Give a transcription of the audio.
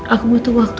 aku butuh waktu